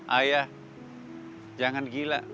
ayah jangan gila